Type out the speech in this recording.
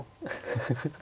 フフフ。